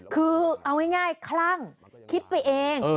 คือเอาง่ายคลั่งคิดไปเอง